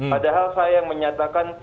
padahal saya yang menyatakan